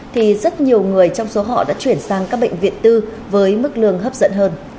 thì rất nhiều người trong số họ đã chuyển sang các bệnh viện tư với mức lương hấp dẫn hơn